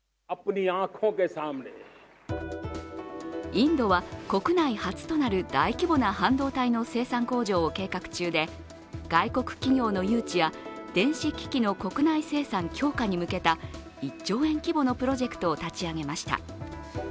インドは国内初となる大規模な半導体の生産工場を計画中で、外国企業の誘致や電子機器の国内生産強化に向けた１兆円規模のプロジェクトを立ち上げました。